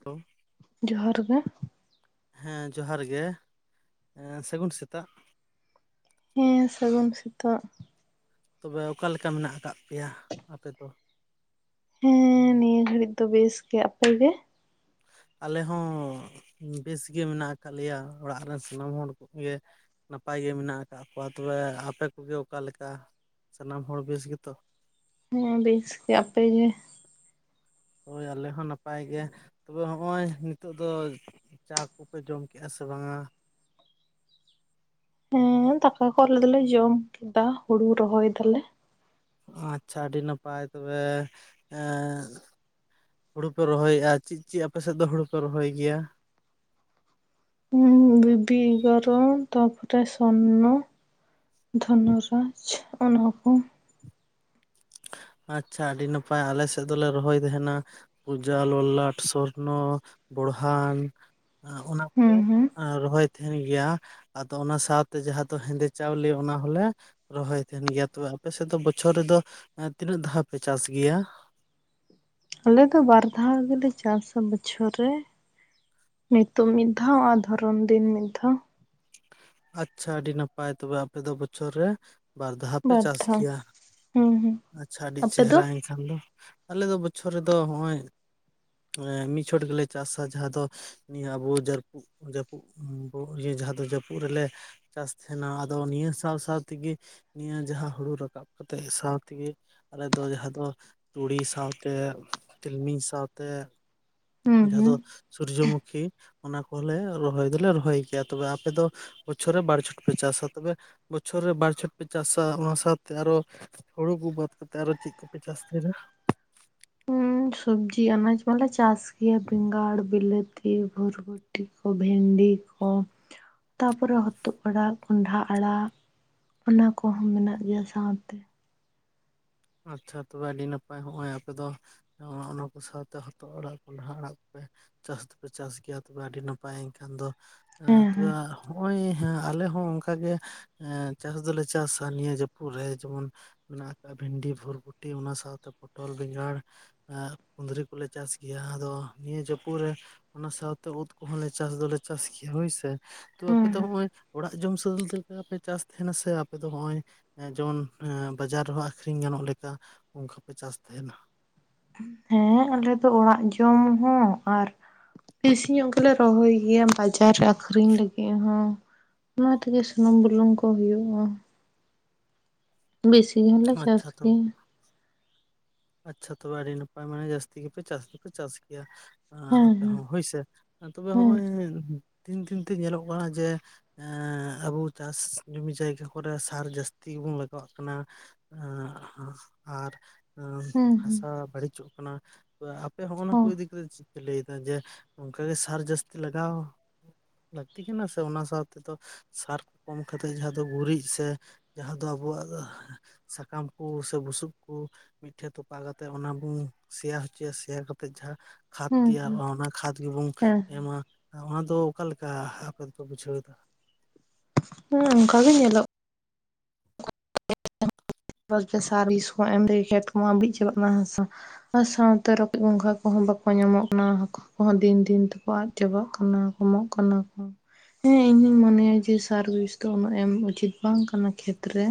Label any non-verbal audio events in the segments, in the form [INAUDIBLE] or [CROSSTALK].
[UNINTELLIGIBLE] ᱡᱚᱦᱟᱨ ᱜᱮ᱾ ᱦᱮᱸ ᱡᱚᱦᱟᱨ ᱜᱮ ᱮ ᱥᱟᱹᱜᱩᱱ ᱥᱮᱛᱟᱜ᱾ ᱦᱩᱸ ᱥᱟᱹᱜᱩᱱ ᱥᱮᱛᱟᱜ᱾ ᱛᱚᱵᱮ ᱚᱠᱟᱞᱮᱠᱟ ᱢᱮᱱᱟᱜ ᱟᱠᱟᱜ ᱯᱮᱭᱟ ᱟᱯᱮ ᱠᱚ? ᱦᱮᱸ ᱱᱤᱭᱟᱹ ᱜᱷᱟᱹᱲᱤᱡ ᱫᱚ ᱵᱮᱥ ᱜᱮ, ᱟᱯᱮ ᱜᱮ? ᱟᱞᱮ ᱦᱚᱸ ᱵᱮᱥ ᱜᱮ ᱢᱮᱱᱟᱜ ᱟᱠᱟᱜ ᱞᱮᱭᱟ ᱚᱲᱟᱜ ᱨᱮᱱ ᱥᱟᱱᱟᱢ ᱦᱚᱲ ᱠᱚᱜᱮ ᱱᱟᱯᱟᱭ ᱜᱮ ᱢᱮᱱᱟᱜ ᱟᱠᱟᱜ ᱠᱚᱣᱟ ᱛᱚᱵᱮ, ᱟᱯᱮ ᱠᱚᱜᱮ ᱚᱠᱟᱞᱮᱠᱟ ᱥᱟᱱᱟᱢ ᱦᱚᱲ ᱵᱮᱥ ᱜᱮᱛᱚ? ᱦᱮᱸ ᱵᱮᱥ ᱜᱮ, ᱟᱯᱮ ᱜᱮ? ᱦᱳᱭ ᱟᱞᱮ ᱦᱚᱸ ᱱᱟᱯᱟᱭ ᱜᱮ ᱛᱚᱵᱮ ᱦᱚᱜ-ᱚᱭ ᱱᱤᱛᱳᱜ ᱫᱚ ᱪᱟ ᱠᱚᱯᱮ ᱡᱚᱢ ᱠᱮ-ᱟ ᱥᱮ ᱵᱟᱝᱟ? ᱦᱮᱸ ᱫᱟᱠᱟ ᱠᱚ ᱟᱞᱮ ᱫᱚᱞᱮ ᱡᱚᱢ ᱠᱮᱫᱟ ᱦᱩᱲᱩ ᱨᱚᱦᱚᱭ ᱫᱟᱞᱮ᱾ ᱟᱪᱪᱷᱟ ᱟᱹᱰᱤ ᱱᱟᱯᱟᱭ ᱛᱚᱵᱮ ᱮᱸᱻ ᱦᱩᱲᱩ ᱯᱮ ᱨᱚᱦᱚᱭᱮ-ᱟ ᱪᱮᱫ ᱪᱮᱫ ᱟᱯᱮ ᱥᱮᱫ ᱫᱚ ᱦᱩᱲᱩ ᱯᱮ ᱨᱚᱦᱚᱭ ᱜᱮᱭᱟ? ᱵᱩᱰᱤ, ᱜᱟᱨ, ᱛᱟᱯᱚᱨᱮ ᱥᱚᱨᱱᱚ, ᱫᱷᱚᱱᱚ ᱨᱟᱡ ᱚᱱᱟ ᱠᱚ᱾ ᱟᱪᱪᱷᱟ ᱟᱹᱰᱤ ᱱᱟᱯᱟᱭ, ᱟᱞᱮ ᱥᱮᱫ ᱫᱚᱞᱮ ᱨᱚᱦᱚᱭ ᱛᱮᱦᱮᱱᱟ ᱯᱩᱡᱟ, ᱞᱚᱞᱞᱟᱴ, ᱥᱚᱨᱱᱚ, ᱵᱚᱲᱦᱟᱱ ᱚᱱᱟ ᱦᱩᱸ ᱠᱚᱜᱮ, ᱦᱩᱸ ᱨᱚᱦᱚᱭ ᱛᱮᱦᱮᱱ ᱜᱮᱭᱟ ᱟᱫᱚ ᱚᱱᱟ ᱥᱟᱶᱛᱮ ᱡᱟᱦᱟᱸ ᱫᱚ ᱦᱮᱸᱫᱮ ᱪᱟᱣᱞᱮ ᱚᱱᱟ ᱦᱚᱞᱮ ᱨᱚᱦᱚᱭ ᱛᱮᱦᱮᱱ ᱜᱮᱭᱟ ᱛᱚ ᱟᱯᱮ ᱥᱮᱫ ᱫᱚ ᱵᱚᱪᱷᱚᱨ ᱨᱮᱫᱚ ᱛᱤᱱᱟᱹᱜ ᱫᱷᱟᱣ ᱯᱮ ᱪᱟᱥ ᱜᱮᱭᱟ? ᱟᱞᱮ ᱫᱚ ᱵᱟᱨ ᱫᱷᱟᱣ ᱜᱮᱞᱮ ᱪᱟᱥᱟ ᱵᱚᱪᱷᱚᱨ ᱨᱮ᱾ ᱱᱤᱛᱳᱜ ᱢᱤᱫ ᱫᱷᱟᱣ ᱟᱨ ᱫᱷᱚᱨᱚᱱ ᱫᱤᱱ ᱢᱤᱫ ᱫᱷᱟᱣ᱾ ᱟᱪᱪᱷᱟ ᱟᱹᱰᱤ ᱱᱟᱯᱟᱭ ᱛᱚᱵᱮ ᱟᱯᱮ ᱫᱚ ᱵᱚᱪᱷᱚᱨ ᱨᱮ ᱵᱟᱨ ᱫᱷᱟᱣ ᱯᱮ ᱵᱟᱨ ᱪᱟᱥ ᱫᱷᱟᱣ ᱜᱮᱭᱟ, ᱦᱩᱸ ᱦᱩᱸ ᱟᱪᱪᱷᱟ ᱟᱹᱰᱤ ᱟᱯᱮ ᱫᱚ ᱪᱮᱦᱨᱟᱧ ᱠᱷᱟᱱ ᱫᱚ ᱟᱞᱮ ᱫᱚ ᱵᱚᱪᱷᱚᱨ ᱨᱮᱫᱚ ᱦᱚᱜ-ᱚᱭ ᱢᱟᱱᱮ ᱢᱤᱫ ᱪᱷᱚᱴ ᱜᱮᱞᱮ ᱪᱟᱥᱟ ᱡᱟᱦᱟᱸ ᱫᱚ ᱱᱤᱭᱟᱹ ᱟᱵᱚ ᱡᱟᱹᱨᱯᱩᱫ ᱡᱟᱹᱯᱩᱫ ᱵᱷᱳ ᱤᱭᱟᱹ ᱡᱟᱦᱟᱸ ᱫᱚ ᱡᱟᱹᱯᱩᱫ ᱨᱮᱞᱮ ᱪᱟᱥ ᱛᱟᱦᱮᱱᱟ ᱟᱫᱚ ᱱᱤᱭᱟᱹ ᱥᱟᱶ ᱥᱟᱶ ᱛᱮᱜᱮ ᱱᱤᱭᱟᱹ ᱡᱟᱦᱟᱸ ᱦᱩᱲᱩ ᱨᱟᱠᱟᱵ ᱠᱟᱛᱮᱜ ᱥᱟᱶ ᱛᱮᱜᱮ ᱟᱞᱮ ᱫᱚ ᱡᱟᱦᱟᱸ ᱫᱚ ᱛᱩᱲᱤ ᱥᱟᱶᱛᱮ, ᱛᱤᱞᱢᱤᱧ ᱥᱟᱶᱛᱮ᱾ ᱦᱩᱸ ᱡᱟᱦᱟᱸ ᱦᱩᱸ ᱫᱚ ᱥᱩᱨᱡᱚᱢᱩᱠᱷᱤ ᱚᱱᱟ ᱠᱚᱦᱚᱸᱞᱮ ᱨᱚᱦᱚᱭ ᱫᱚᱞᱮ ᱨᱚᱦᱚᱭ ᱜᱮᱭᱟ ᱛᱚᱵᱮ ᱟᱯ ᱟᱯᱮ ᱫᱚ ᱵᱚᱪᱷᱚᱨ ᱨᱮ ᱵᱟᱨᱚ ᱪᱷᱚᱴ ᱯᱮ ᱪᱟᱥᱟ ᱛᱚᱵᱮ ᱵᱚᱪᱷᱚᱨ ᱨᱮ ᱵᱟᱨ ᱪᱷᱴ ᱯᱮ ᱪᱟᱥᱟ ᱚᱱᱟ ᱥᱟᱶᱛᱮ ᱟᱨᱚ ᱦᱳᱲᱳ ᱠᱚ ᱵᱟᱫ ᱠᱟᱛᱮ ᱟᱨᱚ ᱪᱮᱜ ᱠᱚᱯᱮ ᱪᱟᱥ ᱛᱟᱦᱮᱱᱟ? ᱦᱩᱸ ᱥᱚᱵᱽᱡᱤ ᱟᱱᱟᱡᱽ ᱠᱚᱦᱚᱞᱮ ᱪᱟᱥ ᱜᱮᱭᱟ ᱵᱮᱸᱜᱟᱲ, ᱵᱤᱞᱟᱹᱛ ᱛᱤᱭ ᱵᱷᱚᱨᱵᱚᱴᱤ ᱠᱚ, ᱵᱷᱮᱱᱰᱤ ᱠᱚ᱾ ᱛᱟᱯᱚᱨᱮ ᱦᱛᱚᱜ ᱟᱲᱟᱜ, ᱠᱚᱸᱰᱷᱟ ᱟᱲᱟᱜ᱾ ᱚᱱᱟ ᱠᱚᱦᱚᱸ ᱢᱮᱱᱟᱜ ᱜᱮᱭᱟ ᱥᱟᱶᱛᱮ᱾ ᱟᱪᱪᱷᱟ ᱛᱚᱵᱮ ᱟᱹᱰᱤ ᱱᱟᱯᱟᱭ ᱦᱚᱸᱜ-ᱚᱭ ᱟᱯᱮ ᱫᱚ ᱚᱱ-ᱚᱱᱟ ᱠᱚ ᱥᱟᱶᱛᱮ ᱦᱚᱛᱚᱜ ᱟᱲᱟᱜ ᱠᱚᱸᱰᱷᱟ ᱟᱲᱟᱜ ᱯᱮ ᱪᱟᱥ ᱫᱚᱯᱮ ᱪᱟᱥ ᱜᱮᱭᱟ ᱛᱚᱵᱮ ᱟᱹᱰᱤ ᱱᱟᱯᱟᱭ ᱮᱱᱠᱷᱟᱱ ᱫᱚ ᱦᱮᱸ ᱮᱸ ᱦᱮᱸ ᱛᱚᱵᱮ ᱦᱚᱸᱜ-ᱚᱭ ᱦᱮᱸ ᱟᱞᱮ ᱦᱚᱸ ᱚᱱᱠᱟᱜᱮ ᱮᱸ ᱪᱟᱥ ᱫᱚᱞᱮ ᱪᱟᱥᱟ ᱱᱤᱭᱟᱹ ᱡᱟᱹᱯᱩᱫ ᱨᱮ ᱡᱮᱢᱚᱱ ᱢᱮᱱᱟᱜ ᱟᱠᱟᱟᱜᱼᱟ ᱵᱷᱮᱱᱰᱤ, ᱵᱷᱳᱨᱵᱩᱴᱤ ᱚᱱᱟ ᱥᱟᱶᱛᱮ ᱯᱚᱴᱚᱞ, ᱵᱮᱸᱜᱟᱲ᱾ ᱟ ᱠᱩᱸᱫᱽᱨᱤ ᱠᱚᱞᱮ ᱪᱟᱥ ᱜᱮᱭᱟ ᱟᱫᱚ ᱱᱤᱭᱟᱹ ᱡᱟᱹᱯᱩᱫ ᱨᱮ ᱚᱱᱟ ᱥᱟᱶᱛᱮ ᱩᱫᱽ ᱠᱚᱦᱚᱸᱞᱮ ᱪᱟᱥ ᱫᱚᱞᱮ ᱪᱟᱥ ᱜᱮᱭᱟ ᱦᱳᱭᱥᱮ᱾ ᱛᱚ ᱟᱯᱮ ᱦᱮᱸ ᱫᱚ ᱦᱚᱸᱜᱼᱚᱭ ᱚᱲᱟᱜ ᱡᱚᱢ ᱥᱟᱹᱞᱛᱮᱠᱟᱯᱮ ᱪᱟᱥ ᱛᱟᱦᱮᱱᱟ ᱥᱮ ᱟᱯᱮ ᱫᱚ ᱦᱚᱸᱜᱼᱚᱭ ᱮᱸ ᱡᱮᱢᱚᱱ ᱮᱸ ᱵᱟᱡᱟᱨ ᱨᱮᱦᱚᱸ ᱟᱠᱷᱨᱤᱧ ᱜᱟᱱᱚᱜ ᱞᱮᱠᱟ᱾ ᱚᱱᱠᱟᱯᱮ ᱪᱟᱥ ᱛᱟᱦᱮᱱᱟ? ᱦᱮᱸ ᱟᱞᱮ ᱫᱚ ᱚᱲᱟᱜ ᱡᱚᱢ ᱦᱚᱸ ᱟᱨ ᱵᱮᱥᱤ ᱧᱚᱜ ᱚᱱᱠᱟ ᱞᱮ ᱜᱮᱞᱮ ᱨᱚᱦᱚᱭ ᱜᱮᱭᱟ ᱵᱟᱡ ᱪᱟᱨ ᱨᱮ ᱟᱠᱠᱷᱨᱤᱧ ᱞᱟᱹᱜᱤᱫ ᱦᱚᱸ ᱱᱣᱟ ᱛᱮᱜᱮ ᱥᱩᱱᱩᱢ ᱵᱩᱞᱩᱝ ᱠᱚ ᱦᱳᱭᱳᱜᱼᱟ᱾ ᱵᱮᱥᱤ ᱧᱚᱜ ᱜᱮᱞᱮ ᱪᱟᱥ ᱟᱪᱪᱷᱟ ᱛᱚᱵᱮ ᱛᱟᱦᱮᱸ-ᱟ᱾ ᱟᱪᱪᱷᱟ ᱛᱚᱵᱮ ᱟᱹᱰᱤ ᱱᱟᱯᱟᱭ ᱢᱟᱱᱮ ᱡᱟᱹᱥᱛᱤ ᱜᱮᱯᱮ ᱪᱟᱥ ᱫᱚᱯᱮ ᱪᱟᱥ ᱜᱮᱭᱟ᱾ ᱟ ᱦᱮᱸ ᱦᱟᱯᱮ ᱦᱮᱸ ᱦᱚᱸ ᱦᱳᱭᱥᱮ? ᱛᱚᱵᱮ ᱦᱮᱸ ᱦᱚᱸᱜᱼᱚᱭ ᱫᱤᱱ ᱫᱤᱱᱛᱮ ᱧᱮᱞᱚᱜ ᱠᱟᱱᱟ ᱡᱮ ᱮᱸ ᱟᱵᱚ ᱪᱟᱥ ᱡᱚᱢᱤ ᱡᱟᱭᱜᱟ ᱠᱚᱨᱮᱜ ᱥᱟᱨ ᱡᱟᱹᱥᱛᱤ ᱜᱮᱵᱚᱱ ᱞᱟᱜᱟᱜ ᱠᱟᱱᱟ᱾ ᱟᱨ? ᱦᱚᱸᱢ ᱦᱮᱸ ᱦᱮᱸ ᱦᱟᱥᱟ ᱵᱟᱹᱲᱤᱡᱚᱜ ᱠᱟᱱᱟ ᱟᱯᱮ ᱦᱚᱜᱱᱟ ᱠᱚ ᱦᱚᱸ ᱤᱫᱤ ᱠᱟᱛᱮᱫ ᱪᱮ ᱯᱮ ᱞᱟᱹᱭᱫᱟ ᱡᱮ ᱚᱱᱠᱟᱜᱮ ᱥᱟᱨ ᱡᱟᱹᱥᱛᱤ ᱞᱟᱜᱟᱣ ᱞᱟᱹᱠᱛᱤ ᱠᱟᱱᱟ ᱥᱮ ᱚᱱᱟ ᱥᱟᱶ ᱛᱮᱫᱚ ᱥᱟᱨ ᱠᱚ ᱠᱚᱢ ᱠᱟᱛᱮ ᱡᱟᱦᱟᱸ ᱫᱚ ᱜᱩᱨᱤᱡ ᱥᱮ ᱡᱟᱦᱟᱸ ᱫᱚ ᱟᱵᱚᱣᱟᱜ ᱫᱚ ᱥᱟᱠᱟᱢ ᱠᱚ ᱥᱮ ᱵᱩᱥᱩᱵ ᱠᱚ ᱢᱤᱫᱴᱷᱮᱱ ᱛᱚᱯᱟ ᱠᱟᱛᱮᱫ ᱚᱱᱟ ᱵᱚᱱ ᱥᱮᱭᱟ ᱦᱚᱪᱚᱭᱟ ᱥᱮᱭᱟᱨ ᱠᱟᱛᱮᱫ ᱡᱟᱦᱟᱸ ᱠᱷᱟᱫᱽ ᱦᱮᱸ ᱦᱮᱸ ᱛᱮᱭᱟᱨᱚᱜᱼᱟ ᱚᱱᱟ ᱠᱷᱟᱫᱽ ᱜᱮᱵᱚᱱ ᱦᱮᱸ ᱮᱢᱟ᱾ ᱦᱮᱸ ᱚᱱᱟ ᱫᱚ ᱚᱠᱟ ᱞᱮᱠᱟ ᱟᱯᱮ ᱫᱚᱠᱚ ᱵᱩᱡᱷᱟᱹᱣ ᱮᱫᱟ? ᱦᱮᱸ ᱚᱱᱠᱟ ᱜᱮ ᱧᱮᱞᱚᱜ ᱵᱚᱞᱛᱮ ᱥᱟᱨ ᱵᱤᱥ ᱠᱚᱢᱟ ᱮᱢ ᱛᱮᱜᱮ ᱠᱚᱛᱮ ᱠᱚᱢᱟ ᱵᱟᱹᱲᱤᱡ ᱪᱟᱞᱟᱜ ᱠᱟᱱᱟ ᱦᱮᱸ ᱥᱮ? ᱟᱨ ᱥᱟᱶᱛᱮ ᱨᱚᱠᱚᱡ ᱜᱚᱸᱜᱷᱟ ᱠᱚᱦᱚᱸ ᱵᱟᱠᱚ ᱧᱟᱢᱚᱜ ᱠᱟᱱᱟ ᱚᱱᱟᱠᱚ᱾ ᱠᱚᱦᱚᱸ ᱫᱤᱱ ᱫᱤᱱ ᱛᱮᱠᱚ ᱟᱫ ᱪᱟᱵᱟᱜ ᱠᱟᱱᱟ ᱠᱚᱢᱚᱜ ᱠᱟᱱᱟ ᱠᱚ᱾ ᱦᱮᱸ ᱤᱧᱫᱩᱧ ᱢᱚᱱᱮᱭᱟ ᱡᱮ ᱥᱟᱨ ᱵᱷᱤᱥ ᱫᱚ ᱩᱱᱟᱹᱜ ᱮᱢ ᱩᱪᱤᱛ ᱵᱟᱝ ᱠᱟᱱᱟ ᱠᱷᱮᱛ ᱨᱮ᱾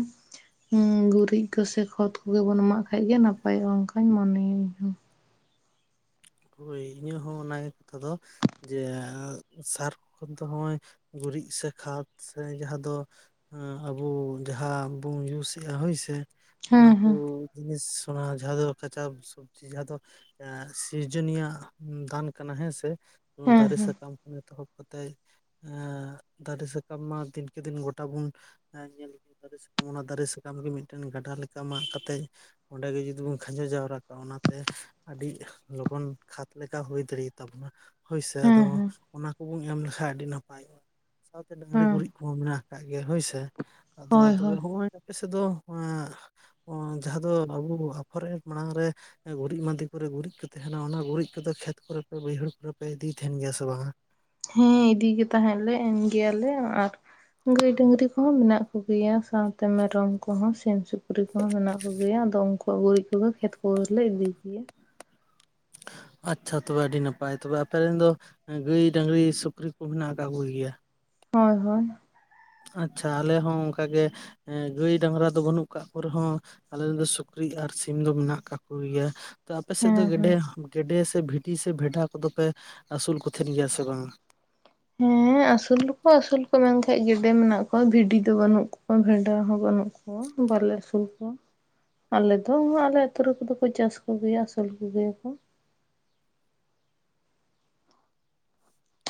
ᱦᱩᱸ ᱜᱩᱨᱤᱡ ᱠᱚ ᱥᱮ ᱠᱷᱚᱛ ᱠᱚᱜᱮ ᱵᱚᱱ ᱮᱢᱟᱜ ᱠᱷᱟᱡ ᱜᱮ ᱱᱟᱯᱟᱭᱚᱜᱼᱟ ᱚᱱᱠᱟᱧ ᱢᱚᱱᱮᱭᱟ ᱤᱧ ᱦᱚ᱾ ᱦᱳᱭ ᱤᱧᱟᱹᱜ ᱦᱚᱸ ᱚᱱᱟᱜᱮ ᱠᱟᱛᱷᱟ ᱫᱚ᱾ ᱡᱮ ᱟ ᱥᱟᱨ ᱠᱷᱚᱱ ᱫᱚ ᱦᱚᱸᱜ-ᱚᱭ ᱜᱩᱨᱤᱡ ᱥᱮ ᱠᱷᱟᱫᱽ ᱥᱮ ᱡᱟᱦᱟᱸ ᱫᱚ ᱟᱵᱚ ᱡᱟᱦᱟᱸ ᱵᱚᱱ ᱤᱭᱩᱥ ᱮᱫᱼᱟ ᱦᱳᱭᱥᱮ ᱚᱱᱟ ᱦᱮᱸ ᱠᱚ ᱦᱮᱸ ᱡᱤᱱᱤᱥ ᱚᱱᱟ ᱡᱟᱦᱟᱸ ᱫᱚ ᱠᱟᱸᱪᱟᱯ ᱥᱚᱵᱡᱤ ᱡᱟᱦᱟᱸ ᱫᱚ ᱥᱤᱨᱡᱚᱱᱤᱭᱟᱜ ᱫᱟᱱ ᱠᱟᱱᱟ ᱦᱮᱸᱥ ᱦᱮᱸ ᱫᱟᱨᱮ ᱦᱮᱸ ᱥᱟᱠᱟᱢ ᱠᱷᱚᱱ ᱮᱛᱚᱦᱚᱵ ᱠᱟᱛᱮᱜ ᱫᱟᱨᱮ ᱥᱟᱠᱟᱢ ᱢᱟ ᱫᱤᱱᱠᱮ ᱫᱤᱱ ᱜᱚᱴᱟ ᱵᱚᱱᱼᱼ ᱧᱮᱞ ᱫᱟᱨᱮ ᱥᱟᱠᱟᱢ ᱚᱱᱟ ᱫᱟᱨᱮ ᱥᱟᱠᱟᱢ ᱜᱮ ᱢᱤᱫᱴᱮᱱ ᱜᱟᱰᱟ ᱞᱮᱠᱟ ᱢᱟᱜ ᱠᱟᱛᱮᱜᱼᱼ ᱚᱸᱰᱮ ᱜᱮ ᱡᱩᱫᱤ ᱵᱚᱱ ᱠᱷᱟᱸᱡᱚ ᱡᱟᱣᱨᱟ ᱠᱚᱟᱜᱼᱟ ᱚᱱᱟᱛᱮ ᱟᱹᱰᱤ ᱞᱚᱜᱚᱱ ᱠᱷᱟᱫᱽ ᱞᱮᱠᱟ ᱦᱩᱭ ᱫᱟᱲᱮᱭᱟ ᱛᱟᱵᱚᱱᱟ᱾ ᱦᱳᱭᱥᱮ ᱦᱮᱸ ᱟᱫᱚ ᱦᱮᱸ ᱚᱱᱟ ᱠᱚᱵᱚᱱ ᱮᱢ ᱞᱮᱠ ᱷᱟᱱᱡ ᱟᱹᱰᱤ ᱱᱟᱯᱟᱭᱚᱜᱼᱟ ᱥᱟᱶᱛᱮ ᱰᱟᱹᱝᱨᱤ ᱦᱮᱸ ᱜᱩᱨᱤᱡ ᱠᱚᱦᱚᱸ ᱢᱮᱱᱟᱜ ᱟᱠᱟᱫ ᱜᱮᱭᱟ ᱦᱳᱭᱥᱮ ᱟᱫᱚ ᱦᱳᱭ ᱛᱚᱵᱮ ᱦᱳᱭ ᱦᱚᱸᱜᱼᱚᱭ ᱟᱯᱮ ᱥᱮᱫ ᱫᱚᱼᱼ ᱡᱟᱦᱟᱸ ᱫᱚ ᱟᱵᱚ ᱟᱯᱷᱚᱨ ᱢᱟᱲᱟᱝ ᱨᱮ ᱜᱩᱨᱤᱡ ᱢᱟᱸᱫᱮ ᱠᱚᱨᱮ ᱜᱩᱨᱤᱡ ᱠᱟ ᱛᱟᱦᱮᱱᱟ ᱚᱱᱟ ᱜᱩᱨᱤᱡ ᱠᱚᱫᱚ ᱠᱷᱮᱛ ᱠᱚᱨᱮ ᱯᱮ ᱵᱟᱹᱭᱦᱟᱹᱲ ᱠᱚᱨᱮ ᱯᱮ ᱤᱫᱤᱭ ᱛᱟᱦᱮᱱ ᱜᱮᱭᱟ ᱥᱮ ᱵᱟᱝᱟ? ᱦᱮᱸ ᱤᱫᱤᱜᱮ ᱛᱟᱦᱮᱸ ᱞᱮ ᱮᱱ ᱜᱮᱭᱟᱞᱮ ᱟᱨᱼᱼ ᱜᱟᱹᱭ ᱰᱟᱹᱝᱨᱤ ᱠᱚᱦᱚᱸ ᱢᱮᱱᱟᱜ ᱠᱚᱜᱮᱭᱟ ᱥᱟᱶᱛᱮ ᱢᱮᱨᱚᱢ ᱠᱚᱦᱚᱸ ᱥᱤᱢ ᱥᱩᱠᱨᱤ ᱠᱚᱦᱚᱸ ᱢᱮᱱᱟᱜ ᱠᱚᱜᱮᱭᱟ ᱟᱫᱚ ᱩᱱᱠᱩ ᱩᱱᱠᱩ ᱟᱜ ᱜᱩᱨᱤᱡ ᱠᱚᱜᱮ ᱠᱷᱮᱛ ᱠᱚᱨᱮ ᱞᱮ ᱤᱫᱤ ᱜᱮᱭᱟ᱾ ᱟᱪᱪᱷᱟ ᱛᱚᱵᱮ ᱟᱹᱰᱤ ᱱᱟᱯᱟᱭ ᱛᱚᱵᱮ ᱟᱯᱮ ᱨᱮᱱ ᱫᱚ ᱜᱟᱹᱭ ᱰᱟᱹᱝᱨᱤ ᱥᱩᱠᱨᱤ ᱠᱚ ᱢᱮᱱᱟᱜ ᱟᱠᱟᱫ ᱠᱚᱜᱮᱭᱟ᱾ ᱦᱳᱭ ᱦᱳᱭ ᱟᱪᱪᱷᱟ ᱟᱞᱮ ᱦᱚᱸ ᱚᱱᱠᱟᱜᱮ ᱜᱟᱹᱭ ᱰᱟᱝᱨᱟ ᱫᱚ ᱵᱟᱹᱱᱩᱜ ᱠᱟᱜ ᱠᱚ ᱨᱮᱦᱚᱸᱼᱼ ᱟᱞᱮ ᱫᱚ ᱥᱩᱠᱨᱤ ᱟᱨ ᱥᱤᱢ ᱫᱚ ᱢᱮᱱᱟᱜ ᱠᱟᱜᱮ ᱭᱟᱼᱼ ᱛᱚ ᱟᱯᱮ ᱥᱮᱫ ᱫᱚ ᱦᱮᱸ ᱜᱮᱰᱮ ᱦᱮᱸ ᱜᱮᱰᱮ ᱥᱮ ᱵᱷᱤᱴᱤ ᱥᱮ ᱵᱷᱮᱰᱟ ᱠᱚᱫᱚ ᱯᱮ ᱟᱹᱥᱩᱞ ᱠᱚ ᱛᱟᱦᱮᱱ ᱜᱮᱭᱟ ᱥᱮ ᱵᱟᱝ? ᱦᱮᱸ ᱟᱹᱥᱩᱞ ᱫᱚᱠᱚ ᱟᱹᱥᱩᱞ ᱠᱚᱣᱟ ᱢᱮᱱᱠᱟᱱᱡ ᱜᱮᱰᱮ ᱢᱮᱱᱟᱜ ᱠᱚᱣᱟ ᱵᱷᱤᱰᱤ ᱫᱚ ᱵᱟᱹᱱᱩᱜ ᱠᱚᱣᱟ ᱵᱷᱮᱰᱟ ᱦᱚᱸ ᱵᱟᱹᱱᱩᱜᱼᱼ ᱦᱚ ᱵᱟᱞᱮ ᱟᱹᱥᱩᱞ ᱠᱚᱣᱟ ᱟᱞᱮ ᱫᱚ ᱟᱞᱮ ᱟᱹᱛᱩ ᱨᱮᱠᱚᱫᱚ ᱠᱚ ᱪᱟᱥ ᱠᱚᱜᱮᱭᱟ ᱟᱹᱥᱩᱞ ᱠᱚᱜᱮᱭᱟ ᱠᱚ᱾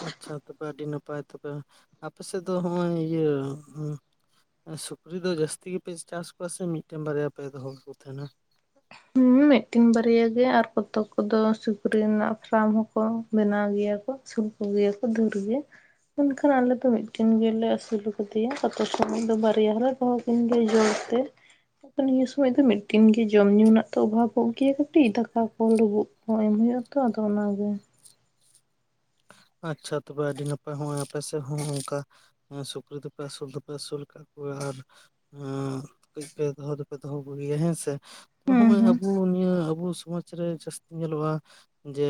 ᱟᱪᱪᱷᱟ ᱛᱚᱵᱮ ᱟᱹᱰᱤ ᱱᱟᱯᱟᱭ ᱛᱚᱵᱮ ᱟᱯᱮᱥᱮᱫ ᱫᱚ ᱦᱚᱸᱜᱼᱚᱭ ᱤᱭᱟᱹᱼᱼ ᱥᱩᱠᱨᱤ ᱫᱚ ᱡᱟᱹᱥᱛᱤ ᱜᱮᱯᱮ ᱪᱟᱥ ᱠᱚᱣᱟ ᱥᱮ ᱢᱤᱫᱴᱮᱱ ᱵᱟᱨᱭᱟ ᱯᱮ ᱫᱚᱦᱚ ᱠᱚ ᱛᱟᱦᱮᱸᱱᱟᱼᱼ ᱦᱮᱸ ᱢᱤᱫᱴᱤᱱ ᱵᱟᱨᱭᱟ ᱜᱮ ᱟᱨ ᱯᱚᱛᱚᱵ ᱠᱚᱫᱚ ᱥᱩᱠᱨᱤ ᱨᱮᱱᱟᱜ ᱯᱷᱨᱟᱢ ᱦᱚᱸᱠᱚ ᱵᱮᱱᱟᱣ ᱜᱮᱭᱟ ᱠᱚ ᱪᱩᱞᱠᱩ ᱜᱮᱭᱟ ᱠᱚ ᱫᱷᱟᱨ ᱜᱮᱼᱼ ᱢᱮᱱ ᱠᱷᱟᱱ ᱟᱞᱮ ᱫᱚ ᱢᱤᱫᱴᱮᱱ ᱜᱮᱞᱮ ᱟᱹᱥᱩᱞ ᱟᱠᱟᱫᱮᱭᱟ ᱡᱚᱛᱚ ᱥᱚᱢᱚᱭ ᱫᱚ ᱵᱟᱨᱭᱟ ᱞᱮ ᱫᱚᱦᱚ ᱠᱟᱭᱟ᱾ [UNINTELLIGIBLE] ᱥᱚᱢᱚᱭ ᱫᱚ ᱢᱤᱫ ᱴᱤᱱ ᱜᱮ ᱡᱚᱢ ᱧᱩ ᱨᱮᱱᱟᱜ ᱛᱚ ᱚᱵᱷᱟᱵᱚᱜ ᱜᱮᱭᱟ ᱠᱟᱹᱴᱤᱡ ᱫᱟᱠᱟ ᱠᱚ ᱞᱩᱵᱩᱜ ᱠᱚ ᱮᱢ ᱦᱩᱭᱩᱜᱼᱟ ᱛᱚ ᱟᱫᱚ ᱚᱱᱟᱜᱮ᱾ ᱟᱪᱪᱷᱟ ᱛᱚᱵᱮ ᱟᱹᱰᱤ ᱱᱟᱯᱟᱭ ᱱᱚᱜᱚᱭ ᱟᱯᱮ ᱥᱮᱫ ᱦᱚᱸ ᱱᱚᱝᱠᱟᱼᱼ ᱦᱮᱸ ᱥᱩᱠᱨᱤ ᱫᱚᱯᱮ ᱟᱹᱥᱩᱞ ᱫᱚᱯᱮ ᱟᱹᱥᱩᱞ ᱠᱟᱜ ᱠᱚᱣᱟ ᱟᱨᱼᱼ ᱠᱟᱹᱡ ᱯᱮ ᱫᱚᱦᱚ ᱫᱚᱯᱮ ᱫᱚᱦᱚ ᱟᱹᱜᱩᱭᱟ ᱦᱮᱸᱥᱮ ᱦᱩᱸ ᱦᱚᱸᱜᱼᱚᱭ ᱦᱩᱸ ᱟᱵᱚ ᱱᱤᱭᱟᱹ ᱟᱵᱚ ᱥᱚᱢᱟᱡ ᱨᱮ ᱡᱟᱹᱥᱛᱤ ᱧᱮᱞᱚᱜᱼᱟ ᱡᱮ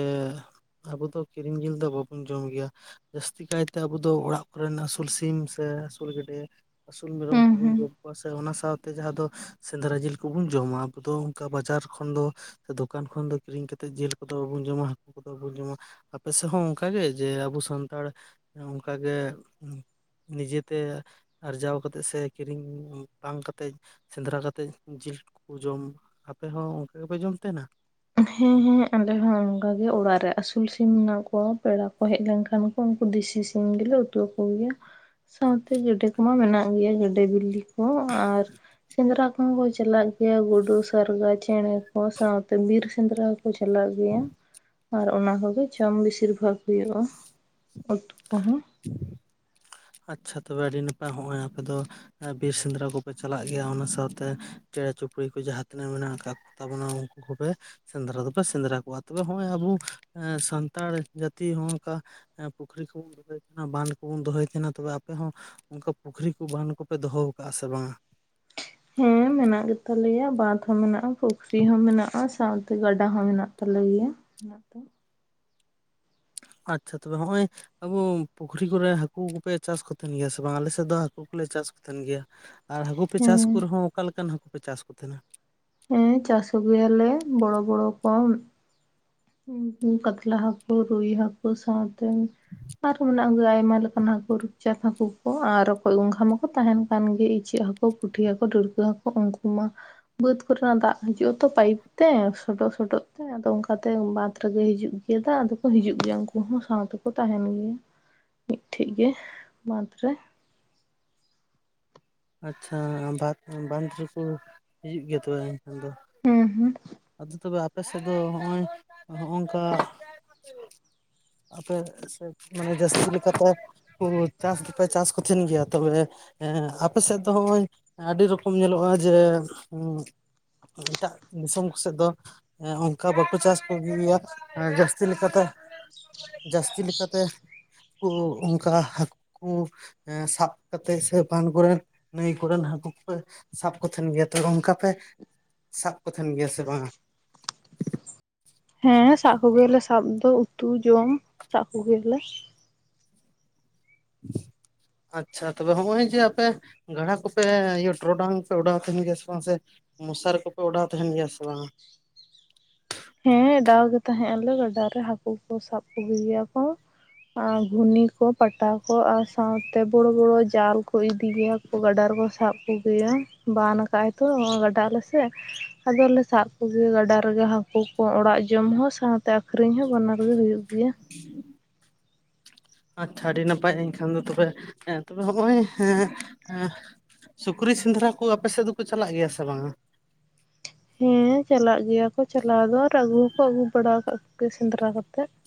ᱟᱵᱚ ᱫᱚ ᱠᱤᱨᱤᱧ ᱡᱤᱞ ᱫᱚ ᱵᱟᱵᱚᱼᱼ ᱵᱚᱱ ᱡᱚᱢ ᱜᱮᱭᱟ ᱡᱟᱹᱥᱛᱤ ᱠᱟᱭᱛᱮ ᱟᱵᱚ ᱫᱚ ᱚᱲᱟᱜ ᱠᱚᱨᱮᱱ ᱟᱹᱥᱩᱞ ᱥᱤᱢ ᱥᱮ ᱟᱹᱥᱩᱞ ᱜᱮᱰᱮ, ᱟᱹᱥᱩᱞ ᱢᱮᱨᱚᱢ ᱦᱩᱸ ᱠᱚᱵᱚᱱ ᱦᱩᱸ ᱡᱚᱢ ᱠᱚᱣᱟ ᱥᱮ ᱚᱱᱟ ᱥᱟᱶᱛᱮ ᱡᱟᱦᱟᱸ ᱫᱚ ᱥᱮᱸᱫᱽᱨᱟ ᱡᱤᱞ ᱠᱚᱵᱚᱱ ᱡᱚᱢᱟ ᱟᱵᱚ ᱫᱚᱼᱼ ᱚᱱᱠᱟ ᱵᱟᱡᱟᱨ ᱠᱷᱚᱱ ᱫᱚ ᱫᱚᱠᱟᱱ ᱠᱷᱚᱱ ᱫᱚ ᱠᱤᱨᱤᱧ ᱠᱟᱛᱮᱫ ᱡᱤᱞ ᱠᱚᱫᱚ ᱵᱟᱵᱚᱱ ᱡᱚᱢᱟ ᱦᱟᱠᱩ ᱠᱚᱫᱚ ᱵᱟᱵᱚᱱ ᱡᱚᱢᱟ ᱟᱯᱮ ᱥᱮᱫ ᱦᱚᱸ ᱚᱱᱠᱟᱜᱮ ᱡᱮ ᱟᱵᱚ ᱥᱟᱱᱛᱟᱲ ᱚᱱ ᱠᱟᱜᱮ ᱱᱤᱡᱮᱛᱮ ᱟᱨᱡᱟᱣ ᱠᱟᱛᱮᱜ ᱥᱮ ᱠᱤᱨᱤᱧ ᱵᱟᱝ ᱠᱟᱛᱮᱫ ᱥᱮᱸᱫᱽᱨᱟ ᱠᱟᱛᱮᱫ ᱡᱤᱞ ᱠᱚ ᱡᱚᱢ ᱟᱯᱮ ᱦᱚᱸ ᱚᱱᱠᱟ ᱜᱮᱯᱮ ᱡᱚᱢ ᱛᱟᱦᱮᱱᱟ? ᱦᱮᱸ ᱦᱮᱸ ᱟᱞᱮᱦᱚ ᱚᱱᱠᱟᱜᱮ ᱚᱲᱟᱜ ᱨᱮ ᱟᱹᱥᱩᱞ ᱥᱤᱢ ᱢᱮᱱᱟᱜ ᱠᱚᱣᱟ ᱯᱮᱲᱟ ᱠᱚ ᱦᱮᱡ ᱞᱮᱱᱠᱷᱟᱱᱼᱼ ᱩᱱ ᱩᱱᱠᱩ ᱫᱤᱥᱤ ᱥᱤᱝᱜᱮ ᱩᱴᱣᱟ ᱠᱚ ᱜᱮᱭᱟ᱾ ᱥᱟᱶᱛᱮ ᱜᱮᱰᱮ ᱠᱚᱢᱟ ᱢᱮᱱᱟᱜ ᱜᱮᱭᱟ ᱜᱮᱰᱮ ᱵᱤᱞᱤ ᱠᱚ ᱟᱨ ᱥᱮᱸᱫᱽᱨᱟ ᱠᱚᱦᱚ ᱠᱚ ᱪᱟᱞᱟᱜ ᱜᱮᱭᱟ ᱜᱩᱰᱩ ᱥᱟᱨᱜᱟ ᱪᱮᱬᱮ ᱠᱚ ᱥᱟᱶᱛᱮ ᱵᱤᱨ ᱥᱮᱸᱫᱽᱨᱟ ᱠᱚ ᱪᱟᱞᱟᱜ ᱜᱮᱭᱟ ᱾ ᱟᱨ ᱚᱱᱟ ᱠᱚᱜᱮ ᱡᱚᱢ ᱵᱤᱥᱤᱨ ᱵᱷᱟᱜᱽ ᱦᱩᱭᱩᱜᱼᱟ, ᱩᱛᱩ ᱠᱚᱦᱚᱸ ᱾ ᱟᱪᱪᱷᱟ ᱛᱚᱵᱮ ᱟᱹᱰᱤ ᱱᱟᱯᱟᱭ ᱦᱚᱸᱜᱼᱚᱭ ᱟᱯᱮ ᱫᱚ ᱾ ᱵᱤᱨ ᱥᱮᱸᱫᱽᱨᱟ ᱠᱚᱯᱮ ᱪᱟᱞᱟᱜ ᱜᱮᱭᱟ ᱚᱱᱟ ᱥᱟᱶᱛᱮ, ᱪᱮᱬᱮ ᱪᱩᱯᱲᱤ ᱠᱚ ᱡᱟᱦᱟᱸ ᱛᱤᱱᱟᱹᱜ ᱢᱮᱱᱟᱜ ᱟᱠᱟᱫ ᱛᱟᱵᱚᱱᱟ ᱩᱱᱠᱩ ᱠᱚᱯᱮ ᱥᱮᱸᱫᱽᱨᱟ ᱫᱚᱯᱮ ᱥᱮᱸᱫᱽᱨᱟ ᱠᱚᱣᱟ, ᱛᱚᱵᱮ ᱱᱚᱜᱼᱚᱭ ᱟᱵᱚ ᱮᱸ ᱥᱟᱱᱛᱟᱲ ᱡᱟᱹᱛᱤ ᱦᱚᱸ ᱱᱚᱝᱠᱟ ᱮ ᱯᱩᱠᱷᱨᱤ ᱠᱚᱵᱚᱱ ᱫᱚᱦᱚᱭ ᱛᱟᱦᱮᱸᱱᱟ, ᱵᱟᱸᱫᱷ ᱠᱚᱵᱚᱱ ᱫᱚᱦᱚᱭ ᱛᱟᱦᱮᱸᱱᱟ ᱛᱚᱵᱮ ᱟᱯᱮ ᱦᱚᱸ ᱚᱱᱠᱟ ᱯᱩᱠᱷᱨᱤ ᱠᱚ ᱵᱟᱸᱫᱷ ᱠᱚᱯᱮ ᱫᱚᱦᱚ ᱟᱠᱟᱜᱼᱟ ᱥᱮ ᱵᱟᱝᱟ? ᱦᱮᱸ ᱢᱮᱱᱟᱜ ᱜᱮ ᱛᱟᱞᱮᱭᱟ, ᱵᱟᱸᱫᱽ ᱦᱚᱸ ᱢᱮᱱᱟᱜᱼᱟ, ᱯᱩᱠᱷᱨᱤ ᱦᱚᱸ ᱢᱮᱱᱟᱜᱼᱟ, ᱥᱟᱶᱛᱮ ᱜᱟᱰᱟ ᱦᱚᱸ ᱢᱮᱱᱟᱜᱼᱟ ᱾ ᱛᱟᱞᱮ ᱜᱮᱭᱟ ᱚᱱᱟ ᱛᱮ ᱟᱪᱪᱷᱟ ᱛᱚᱵᱮ ᱱᱚᱜᱼᱚᱭ ᱟᱵᱚ ᱯᱩᱠᱷᱨᱤ ᱠᱚᱨᱮᱜ ᱦᱟᱹᱠᱩ ᱠᱚᱯᱮ ᱪᱟᱥ ᱠᱚᱛᱮ ᱜᱮᱭᱟ ᱥᱮ ᱵᱟᱝᱟ, ᱟᱞᱮ ᱥᱮᱫ ᱫᱚ ᱦᱟᱹᱠᱩ ᱠᱚᱞᱮ ᱪᱟᱥ ᱠᱚᱛᱮᱱ ᱜᱮᱭᱟ ᱾ ᱟᱨ ᱦᱟᱠᱩ ᱯᱮ ᱦᱮᱸ ᱪᱟᱥ ᱠᱚ ᱨᱮᱦᱚᱸ ᱚᱠᱟ ᱞᱮᱠᱟᱱ ᱦᱟᱹᱠᱩ ᱯᱮ ᱪᱟᱥ ᱠᱚ ᱛᱟᱸᱦᱮᱱᱟ ᱦᱮᱸ ᱪᱟᱥ ᱟᱹᱜᱩᱭᱟᱞᱮ, ᱵᱚᱲᱚ ᱵᱚᱲᱚ ᱠᱚ ᱦᱩᱸ ᱦᱩᱸ ᱠᱟᱛᱞᱟ ᱦᱟᱹᱠᱩ ᱨᱩᱭ ᱦᱟᱠ ᱥᱟᱶᱛᱮ ᱟᱨᱦᱚᱸ ᱢᱮᱱᱟᱜ ᱠᱚ ᱜᱮᱭᱟ ᱟᱭᱢᱟ ᱞᱮᱠᱟᱱ ᱦᱟᱹᱠᱩ ᱪᱟᱛ ᱦᱟᱹᱠᱩ ᱠᱚ ᱟᱨ ᱨᱚᱠᱚᱡ, ᱜᱚᱝᱜᱷᱟ ᱢᱟᱠᱚ ᱛᱟᱸᱦᱮᱱ ᱠᱟᱱ ᱜᱮ ᱾ ᱤᱪᱟᱹᱜ ᱦᱟᱹᱠᱩ, ᱯᱩᱴᱷᱤ ᱦᱟᱹᱠᱩ, ᱰᱟᱹᱬᱠᱟᱹ ᱦᱟᱹᱠᱩ ᱩᱱᱠᱩ ᱢᱟ ᱵᱟᱹᱫᱽ ᱠᱚᱨᱮᱱᱟᱜ ᱫᱟᱜ ᱦᱤᱡᱩᱜ ᱟᱛᱚ ᱯᱟᱭᱤᱯ ᱛᱮ, ᱥᱚᱰᱚᱜ ᱥᱚᱰᱚᱜ ᱛᱮ ᱟᱫᱚ ᱚᱱᱠᱟᱼᱼ ᱛᱮ ᱵᱟᱸᱫᱽ ᱨᱮᱜᱮ ᱦᱤᱡᱩᱜ ᱜᱮᱭᱟ ᱫᱟᱜ ᱟᱫᱚ ᱠᱚ ᱦᱤᱡᱩᱜ ᱜᱮᱭᱟ ᱩᱱᱠᱩ ᱦᱚᱸ ᱥᱟᱶ ᱛᱮᱠᱚ ᱛᱟᱸᱦᱮᱱ ᱜᱮᱭᱟ ᱾ ᱢᱤᱫᱴᱷᱮᱡ ᱜᱮ ᱵᱟᱫᱽ ᱨᱮ ᱟᱪᱪᱷᱟ ᱵᱟᱸᱫᱽ, ᱵᱟᱸᱫᱽ ᱨᱮᱠᱚ ᱦᱤᱡᱩᱜ ᱜᱮᱭᱟ ᱠᱚ ᱟᱫᱚᱼᱼ ᱦᱩᱸ ᱦᱩᱸ ᱾ ᱟᱫᱚ ᱛᱚᱵᱮ ᱟᱯᱮ ᱥᱮᱫ ᱫᱚ ᱱᱚᱜᱼᱚᱭ, ᱦᱚᱸᱜ ᱱᱚᱝᱠᱟ ᱟᱯᱮ ᱥᱮ [UNINTELLIGIBLE] ᱢᱟᱱᱮ ᱡᱟᱹᱥᱛᱤ ᱞᱮᱠᱟᱛᱮ ᱦᱩ ᱪᱟᱥ ᱫᱚᱯᱮ ᱪᱟᱥ ᱠᱚᱛᱮᱱ ᱜᱮᱭᱟ ᱛᱚᱵᱮ ᱮᱸ ᱟᱯᱮ ᱥᱮᱫ ᱫᱚ ᱱᱚᱜᱼᱚᱭ ᱟᱹᱰᱤ ᱨᱚᱠᱚᱢ ᱧᱮᱞᱚᱜᱼᱟ ᱡᱮ, [UNINTELLIGIBLE] ᱮᱴᱟᱜ ᱫᱤᱥᱚᱢ ᱠᱷᱚᱱ ᱥᱮᱫ ᱫᱚ ᱮᱸ ᱚᱱᱠᱟ ᱵᱟᱠᱚ ᱪᱟᱥ ᱠᱚ ᱜᱮᱭᱟ ᱮ ᱡᱟᱹᱥᱛᱤ ᱞᱮᱠᱟ ᱫᱚ ᱡᱟᱹᱥᱛᱤ ᱞᱮᱠᱟᱛᱮ ᱠᱚ ᱚᱱᱠᱟ ᱦᱟᱹᱠᱩ ᱮᱸ ᱥᱟᱵ ᱠᱟᱛᱮᱜ ᱥᱮ ᱵᱟᱸᱫᱽ ᱠᱚᱨᱮᱱ ᱱᱟᱹᱭ ᱠᱚᱨᱮᱱ ᱦᱟᱹᱠᱩ ᱠᱚ ᱥᱟᱵ ᱠᱚᱛᱷᱮᱱ ᱜᱮᱭᱟ ᱛᱚᱵᱮ ᱚᱱᱠᱟ ᱯᱮ, ᱥᱟᱵ ᱠᱚ ᱛᱟᱦᱮᱱ ᱜᱮᱭᱟ ᱥᱮ ᱵᱟᱝᱟ? ᱦᱮᱸ ᱥᱟᱵ ᱠᱚ ᱜᱮ ᱭᱟᱞᱮ ᱥᱟᱵ ᱫᱚ, ᱩᱛᱩ ᱡᱚᱢ ᱥᱟᱵ ᱠᱚᱜᱮᱭᱟᱞᱮ [INAUDIBLE] ᱟᱪᱪᱷᱟ ᱛᱚᱵᱮ ᱦᱚᱸᱜᱼᱚᱭ ᱡᱮ ᱟᱯᱮ, ᱜᱟᱰᱟ ᱠᱚᱯᱮ ᱤᱭᱟᱹ ᱴᱚᱨᱚᱰᱟᱝ ᱯᱮ ᱚᱰᱟᱣ ᱛᱟᱸᱦᱮᱱ ᱜᱮᱭᱟ ᱥᱮ ᱵᱟᱝ ᱥᱮ ᱢᱚᱥᱟᱨᱤ ᱠᱚᱯᱮ ᱚᱰᱟᱣ ᱛᱟᱸᱦᱮᱱ ᱜᱮᱭᱟ ᱥᱮ ᱵᱟᱝ? ᱦᱮᱸ ᱚᱰᱟᱣ ᱜᱮ ᱛᱟᱦᱮᱸᱜ ᱟᱞᱮ ᱜᱟᱰᱟ ᱨᱮ ᱦᱟᱹᱠᱩ ᱠᱚ ᱥᱟᱵ ᱠᱚᱜᱮ ᱜᱮᱭᱟ ᱠᱚ ᱾ ᱟᱨ ᱜᱷᱩᱱᱤ ᱠᱚ, ᱯᱟᱴᱟ ᱠᱚ ᱟᱨ ᱥᱟᱶᱛᱮ ᱵᱚᱲᱚ ᱵᱚᱲᱚ ᱡᱟᱞ ᱠᱚ ᱤᱫᱤ ᱜᱮᱭᱟ ᱠᱚ ᱜᱟᱰᱟ ᱨᱮᱠᱚ ᱥᱟᱵ ᱠᱚᱜᱮᱭᱟ, ᱵᱟᱱ ᱠᱟᱜᱼᱟᱭ ᱛᱚ ᱜᱟᱰᱟ ᱟᱞᱮ ᱥᱮᱜ ᱟᱫᱚᱞᱮ ᱥᱟᱵ ᱠᱚᱜᱮᱭᱟ ᱜᱟᱰᱟ ᱨᱮᱜᱮ ᱦᱟᱹᱠᱩ ᱣᱟᱜ [UNINTELLIGIBLE] ᱚᱲᱟᱜ ᱡᱚᱢ ᱦᱚᱸ ᱥᱟᱶᱛᱮ ᱟᱹᱠᱷᱨᱤᱧ ᱦᱚᱸ ᱵᱟᱱᱟᱨ ᱜᱮ ᱦᱩᱭᱩᱜ ᱜᱮᱭᱟ ᱾ ᱦ [INAUDIBLE] ᱟᱪᱪᱷᱟ ᱟᱹᱰᱤ ᱱᱟᱯᱟᱭ ᱮᱱᱠᱷᱟᱱ ᱛᱚᱵᱮ, ᱮᱸ ᱱᱚᱜᱼᱚᱭ ᱦᱮᱸ ᱮᱸᱼᱼ ᱥᱩᱠᱨᱤ ᱥᱮᱸᱫᱽᱨᱟ ᱠᱚ ᱟᱯᱮ ᱥᱮᱜ ᱫᱚᱠᱚ ᱪᱟᱞᱟᱜ ᱜᱮᱭᱟ ᱥᱮ ᱵᱟᱝᱟ? ᱦᱮᱸ ᱪᱟᱞᱟᱜ ᱜᱮᱭᱟ ᱠᱚ ᱪᱟᱞᱟᱣ ᱫᱚ ᱟᱨ ᱟᱹᱜᱩ ᱦᱚᱸᱠᱚ ᱟᱹᱜᱩ ᱵᱟᱲᱟ ᱠᱟᱜ ᱠᱚᱜᱮᱭᱟ ᱥᱮᱸᱫᱽᱨᱟ ᱠᱟᱛᱮᱜ ᱾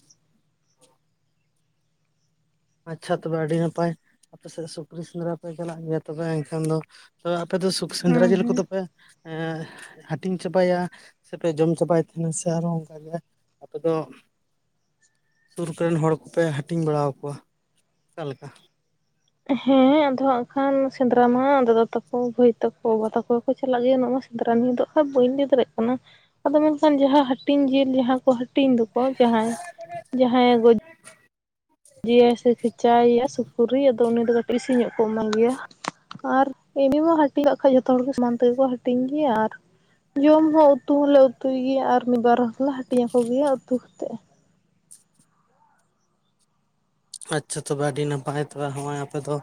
ᱟᱪᱪᱷᱟ ᱛᱚᱵᱮ ᱟᱰᱤ ᱱᱟᱯᱟᱭ ᱾ ᱟᱯᱮ ᱥᱮᱫ ᱥᱩᱠᱨᱤ ᱥᱮᱸᱫᱽᱨᱟ ᱯᱮ ᱪᱟᱞᱟᱜ ᱜᱮᱭᱟ ᱛᱚᱵᱮ ᱮᱱᱠᱷᱟᱱ ᱫᱚ, ᱛᱚᱣᱮ ᱟᱯᱮ ᱫᱚ ᱥᱩᱠ ᱦᱮᱸ ᱥᱮᱸᱫᱽᱨᱟ ᱡᱤᱞ ᱦᱮᱸ ᱠᱚᱫᱚᱯᱮᱼᱼ ᱮᱸ ᱦᱟᱹᱴᱤᱧ ᱪᱟᱵᱟᱭᱟ ᱥᱮᱯᱮ ᱡᱚᱢ ᱪᱟᱵᱟᱭ ᱛᱮᱦᱮᱱᱟ ᱥᱮ ᱟᱨᱚ ᱚᱝᱠᱟᱜᱮ ᱟᱯᱮ ᱫᱚᱜ, ᱥᱩᱨ ᱠᱚᱨᱮᱱ ᱦᱚᱲ ᱠᱚᱯᱮ ᱦᱟᱹᱴᱤᱧ ᱵᱟᱲᱟᱣ ᱠᱚᱣᱟ᱾ ᱚᱠᱟ ᱞᱮᱠᱟ? ᱦᱮᱸ ᱟᱫᱚ ᱦᱟᱸᱜ ᱠᱷᱟᱱ ᱥᱮᱸᱫᱽᱨᱟ ᱢᱟ ᱫᱟᱫᱟ ᱛᱟᱠᱚ ᱵᱷᱟᱹᱭ ᱛᱟᱠᱚ ᱵᱟᱵᱟ ᱛᱟᱠᱚ ᱠᱚ ᱪᱟᱞᱟᱜ ᱜᱮᱭ ᱩᱱᱟᱹᱜ ᱢᱟ ᱥᱮᱸᱫᱽᱨᱟᱱ ᱱᱤᱫᱚᱜ ᱟᱨ ᱵᱟᱹᱧ ᱞᱟᱹᱭ ᱫᱟᱲᱮᱜ ᱠᱟᱱᱟ᱾ ᱟᱫᱚ ᱢᱮᱱᱠᱷᱟᱱ ᱡᱟᱦᱟᱸ ᱦᱟᱹᱴᱤᱧ ᱡᱤᱞ ᱡᱟᱦᱟᱸ ᱠᱚ ᱦᱟᱹᱴᱤᱧ ᱫᱚᱠᱚ ᱡᱟᱦᱟᱸᱭ ᱡᱟᱦᱟᱸᱭ ᱜᱚ ᱡᱮᱭᱟ ᱥᱮ ᱠᱷᱮᱪᱟᱭᱮᱭᱟ ᱥᱩᱠᱨᱤ ᱟᱫᱚ ᱩᱱᱤ ᱫᱚ ᱠᱟᱹᱴᱤᱜ ᱵᱤᱥᱤ ᱧᱚᱜ ᱠᱚ ᱮᱢᱟᱭ ᱜᱮᱭᱟ᱾ ᱟᱨ ᱮᱱᱤ ᱢᱟ ᱦᱟᱴᱤ ᱠᱟᱜ ᱠᱷᱟᱡ ᱡᱷᱚᱛᱚ ᱦᱚᱲ ᱜᱮ ᱥᱚᱢᱟᱱ ᱛᱮᱜᱮ ᱠᱚ ᱦᱟᱹᱴᱤᱧ ᱜᱮᱭᱟ, ᱟᱨ ᱡᱚᱢ ᱦᱚᱸ ᱩᱛᱩ ᱦᱚᱸᱞᱮ ᱩᱛᱩᱭ ᱜᱮᱭᱟ ᱟᱨ ᱢᱤᱫ ᱵᱟᱨ ᱦᱚᱸᱞᱮ ᱦᱟᱴᱤᱧ ᱟᱠᱚ ᱜᱮᱭᱟ ᱩᱛᱩ ᱦᱟᱛᱮᱜ᱾ ᱟᱪᱪᱷᱟ ᱛᱚᱵᱮ ᱟᱹᱰᱤ ᱱᱟᱯᱟᱭ ᱛᱷᱚᱲᱟ ᱦᱚᱸᱜ ᱚᱸᱭ ᱟᱯᱮ ᱫᱚ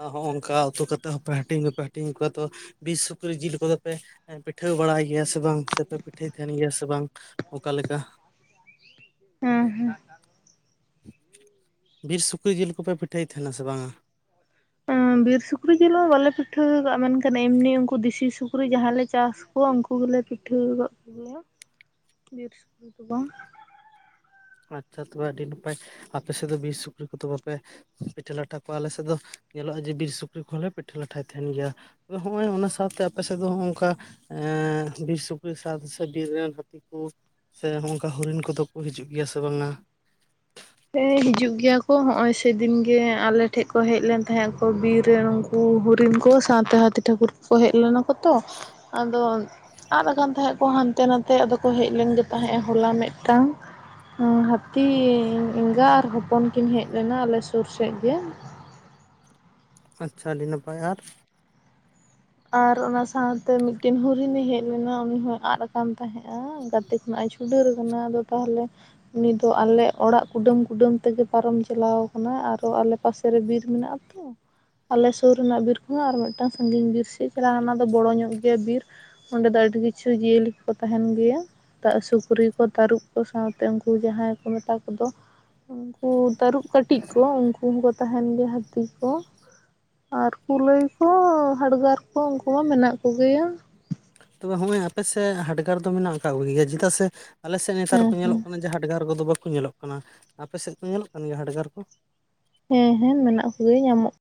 ᱚ ᱦᱚᱸᱜ ᱚᱝᱠᱟ ᱩᱛᱩ ᱠᱟᱛᱮ ᱦᱚᱸᱯᱮ ᱦᱟᱹᱴᱤᱧ ᱜᱮᱯᱮ ᱦᱟᱹᱴᱤᱧ ᱠᱚᱣᱟ ᱛᱚᱵᱮ ᱵᱤᱨ ᱥᱩᱠᱨᱤ ᱡᱤᱞ ᱠᱚᱫᱚ ᱯᱮ ᱮ ᱯᱤᱴᱷᱟᱹᱣ ᱵᱟᱲᱟᱭ ᱜᱮᱭᱟ ᱥᱮ ᱵᱟᱝ ᱥᱮᱯᱮ ᱯᱤᱴᱷᱟᱹᱭ ᱛᱟᱦᱮᱸᱱ ᱜᱮᱭᱟ ᱥᱮ ᱵᱟᱝ? ᱚᱠᱟ ᱞᱮᱠᱟ? ᱦᱩᱸ ᱦᱩᱸ᱾ ᱵᱤᱨ ᱥᱩᱠᱨᱤ ᱡᱤᱞ ᱠᱚᱯᱮ ᱯᱤᱴᱷᱟᱹᱭ ᱛᱟᱦᱮᱸᱱᱟ ᱥᱮ ᱵᱟᱝᱟ? ᱩᱸ ᱵᱤᱨ ᱥᱩᱠᱨᱤ ᱡᱤᱞ ᱢᱟ ᱵᱟᱞᱮ ᱯᱤᱴᱷᱟᱹ ᱠᱟᱜᱼᱟ ᱢᱮᱱᱠᱷᱟᱱ ᱮᱢᱱᱤ ᱩᱝᱠᱩ ᱫᱮᱥᱤ ᱥᱩᱠᱨᱤ ᱡᱟᱦᱟᱸᱞᱮ ᱪᱟᱥ ᱠᱚᱣᱟ ᱩᱝᱠᱩ ᱜᱮᱞᱮ ᱯᱤᱴᱷᱟᱹ ᱠᱟᱜ ᱠᱚᱜᱮᱭᱟ ᱵᱤᱨ ᱥᱩᱠᱨᱤ ᱫᱚ ᱵᱟᱝ᱾ ᱟᱪᱪᱷᱟ ᱛᱚᱵᱮ ᱟᱰᱤ ᱱᱟᱯᱟᱭ, ᱟᱯᱮ ᱥᱮᱫ ᱫᱚ ᱵᱤᱨ ᱥᱩᱠᱨᱤ ᱠᱚᱫᱚ ᱵᱟᱯᱮ ᱯᱤᱴᱷᱟᱹ ᱞᱟᱴᱷᱟ ᱠᱚ ᱟᱞᱮ ᱥᱮᱫ ᱫᱚ ᱧᱮᱞᱚᱜᱼᱟ ᱡᱮ ᱵᱤᱨ ᱥᱩᱠᱨᱤ ᱠᱚᱦᱚᱸ ᱞᱮ ᱯᱤᱴᱷᱟᱹ ᱞᱟᱴᱷᱟᱭ ᱛᱟᱦᱮᱸᱱ ᱜᱮᱭᱟ᱾ ᱟᱫᱚ ᱦᱚᱸᱜᱼᱚᱸᱭ ᱚᱱᱟ ᱥᱟᱶᱛᱮ ᱟᱯᱮ ᱥᱮᱫ ᱫᱚ ᱦᱚᱸᱜᱼᱚᱝᱠᱟ ᱮᱸᱻ ᱵᱤᱨ ᱥᱩᱠᱨᱤ ᱥᱟᱫ ᱥᱮ ᱵᱤᱨ ᱨᱮᱱ ᱦᱟᱹᱛᱤ ᱠᱩ ᱥᱮ ᱦᱚᱸᱜᱼᱚᱸᱝᱠᱟ ᱦᱚᱨᱤᱱ ᱠᱚᱫᱚ ᱠᱩ ᱦᱤᱡᱩᱜ ᱜᱤᱭᱟ ᱥᱮ ᱵᱟᱝᱟ? ᱛᱮ ᱦᱤᱡᱩᱜ ᱜᱮᱭᱟ ᱠᱚ ᱦᱚᱸᱜᱼᱚᱸᱭ ᱥᱮᱫᱤᱱ ᱜᱮ ᱟᱞᱮ ᱴᱷᱮᱡ ᱠᱚ ᱦᱮᱡ ᱞᱮᱱ ᱛᱟᱦᱮᱸᱜ ᱟᱠᱚ ᱵᱤᱨ ᱨᱮᱱ ᱩᱝ ᱠᱩ ᱦᱩᱨᱤᱱ ᱠᱚ ᱥᱟᱶᱛᱮ ᱦᱟᱹᱛᱤ ᱴᱷᱟᱠᱩᱨ ᱠᱚᱠᱚ ᱦᱮᱡ ᱞᱮᱱᱟ ᱠᱚ ᱛᱚ ᱟᱫᱚ ᱩᱸ ᱟᱫ ᱠᱟᱱ ᱛᱟᱦᱮᱸᱫ ᱠᱚ ᱦᱟᱸᱱᱛᱮ ᱱᱟᱱᱛᱮ ᱟᱫᱚ ᱠᱚ ᱦᱮᱡ ᱞᱮᱱ ᱜᱮ ᱛᱟᱦᱮᱸᱜᱼᱟ ᱦᱚᱞᱟ ᱢᱮᱫᱴᱟᱝ ᱩᱸ ᱦᱟᱹᱛᱤ ᱮᱸᱜᱟ ᱟᱨ ᱦᱚᱯᱚᱱ ᱠᱤᱱ ᱦᱮᱡ ᱞᱮᱱᱟ ᱟᱞᱮ ᱥᱩᱨ ᱥᱮᱜ ᱜᱮ᱾ ᱟᱪᱪᱷᱟ ᱟᱹᱰᱤ ᱱᱟᱯᱟᱭ ᱟᱨ᱾ ᱟᱨ ᱚᱱᱟ ᱥᱟᱶᱛᱮ ᱢᱤᱫᱴᱮᱱ ᱦᱩᱨᱤᱱᱮ ᱦᱮᱡ ᱞᱮᱱᱟ ᱩᱱᱤ ᱦᱚᱸᱭ ᱟᱫ ᱠᱟᱱ ᱛᱟᱦᱮᱸᱜᱼᱟᱸ ᱜᱟᱛᱮ ᱠᱷᱚᱱᱟᱜ ᱪᱷᱩ ᱰᱟᱹᱨ ᱠᱟᱱᱟ ᱟᱫᱚ ᱛᱟᱦᱞᱮ ᱩᱱᱤ ᱫᱚ ᱟᱞᱮ ᱚᱲᱟᱜ ᱠᱩᱰᱟᱹᱢ - ᱠᱩᱰᱟᱹᱢ ᱛᱮᱜᱮ ᱯᱟᱨᱚᱢ ᱪᱟᱞᱟᱣ ᱠᱟᱱᱟ ᱟᱨᱚ ᱟᱞᱮ ᱯᱟᱥ ᱛᱮ ᱨᱮ ᱵᱤᱨ ᱢᱮᱱᱟᱜᱼᱟ ᱛᱳ ᱟᱞᱮ ᱥᱳᱨ ᱨᱮᱱᱟᱜ ᱵᱤᱨ ᱠᱚᱷᱚᱸ ᱟᱨ ᱢᱤᱫᱴᱟᱝ ᱥᱟᱺᱜᱤᱧ ᱵᱤᱨ ᱥᱮᱫ ᱠᱟᱹᱡ ᱪᱟᱞᱟᱝ ᱚᱱᱟ ᱫᱚ ᱵᱚᱲᱚ ᱧᱚᱜ ᱜᱮᱭᱟ ᱵᱤᱨ ᱾ ᱚᱸᱰᱮ ᱫᱚ ᱟᱹᱰᱤ ᱠᱤᱪᱷᱩ ᱡᱤᱭᱟᱹᱞᱤ ᱠᱚᱠᱚ ᱛᱟᱦᱮᱸᱱ ᱜᱮᱭᱟ᱾ ᱛᱟᱹᱜ ᱥᱩᱠᱨᱤ ᱠᱚ ᱛᱟᱹᱨᱩᱵᱽ ᱠᱚ ᱥᱟᱶᱛᱮ ᱩᱱᱠᱩ ᱡᱟᱦᱟᱸᱭ ᱠᱚ ᱢᱮᱛᱟ ᱠᱚᱫᱚ ᱩᱸ ᱠᱩ ᱛᱟᱹᱨᱩᱵ ᱠᱟᱹᱴᱤᱡ ᱠᱚ ᱩᱝᱠᱩ ᱦᱚᱸᱠᱚ ᱛᱟᱦᱮᱸᱱ ᱜᱮᱭᱟ ᱦᱟᱹᱛᱤ ᱠᱚ ᱟᱨ ᱠᱩᱞᱟᱹᱭ ᱠᱚ ᱦᱟᱰᱜᱟᱨ ᱦᱚᱸ ᱩᱝᱠᱩ ᱦᱚᱸ ᱢᱮᱱᱟᱜ ᱠᱚᱜᱮᱭᱟ᱾ ᱛᱚᱵᱮ ᱦᱚᱸᱜᱼᱚᱭ ᱟᱯᱮᱥᱮᱫ ᱦᱟᱰᱜᱟᱨ ᱫᱚ ᱢᱮᱱᱟᱜ ᱠᱟᱜ ᱠᱚ ᱜᱮᱭᱟ ᱪᱮᱫᱟᱜ ᱥᱮ ᱟᱞᱮᱥᱮᱫ ᱱᱮᱛᱟᱨ ᱦᱮᱸ ᱠᱚ ᱧᱮᱞᱚᱜ ᱠᱟᱱᱟ ᱡᱮ ᱦᱟᱰᱜᱟᱨ ᱠᱚᱫᱚ ᱵᱟᱠᱚ ᱧᱮᱞᱚᱜ ᱠᱟᱱᱟ, ᱟᱯᱮ ᱥᱮᱫ ᱠᱚ ᱧᱮᱞᱚᱜ ᱠᱟᱱ ᱜᱮᱭᱟ ᱦᱟᱰᱜᱟᱨ ᱠᱚ? ᱦᱮᱸ- ᱦᱮᱸ ᱢᱮᱱᱟᱜ ᱠᱚᱜᱮᱭᱟ ᱧᱟᱢᱚᱜ